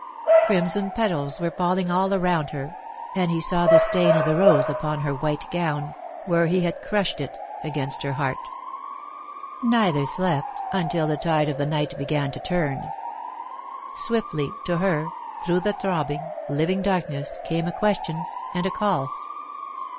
Crimson petals were falling all around her, and he saw the stain of the rose upon her white gown, where he had crushed it against her heart. Neither slept, until the tide of the night began to turn. Swiftly, to her, through the throbbing, living darkness, came a question and a call.